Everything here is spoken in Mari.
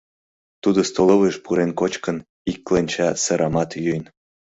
Тудо столовойыш пурен кочкын, ик кленча сырамат йӱын.